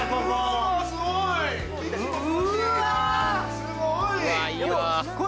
すごい！